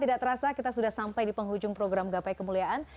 tidak terasa kita sudah sampai di penghujung program gapai kemuliaan